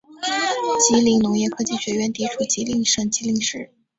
吉林农业科技学院地处吉林省吉林市。